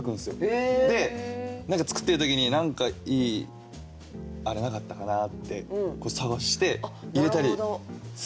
で何か作ってる時に何かいいあれなかったかな？って探して入れたりするんすよ！